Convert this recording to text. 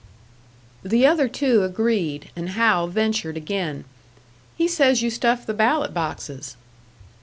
The other two agreed, and Hal ventured again, "He says you stuff the ballot boxes."